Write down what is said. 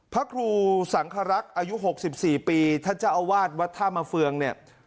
พระครูสังครักษ์อายุ๖๔ปีท่านเจ้าอาวาสวัดท่ามาเฟืองเนี่ย